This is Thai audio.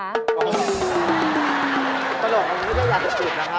ตลกมันไม่ได้อยากจะหยุดนะคะ